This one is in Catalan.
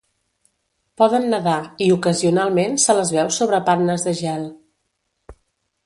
Poden nedar i ocasionalment se les veu sobre pannes de gel.